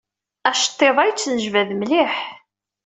Aceṭṭiḍ-a yettnejbad mliḥ.